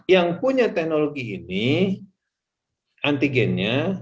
yang punya teknologi ini antigennya